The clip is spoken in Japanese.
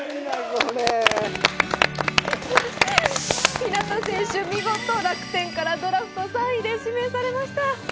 日當選手、見事、楽天からドラフト３位で指名されました。